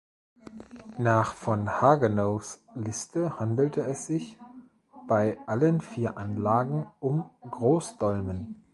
Nach von Hagenows Liste handelte es sich bei allen vier Anlagen um Großdolmen.